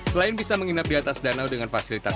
selain bisa menginap di atas danau dengan fasilitas